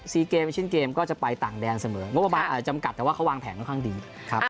เกมเช่นเกมก็จะไปต่างแดนเสมองบประมาณอาจจะจำกัดแต่ว่าเขาวางแผนค่อนข้างดีครับ